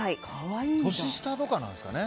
年下とかなんですかね